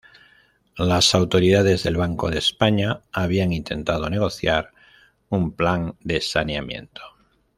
Las autoridades del Banco de España habían intentado negociar un plan de saneamiento.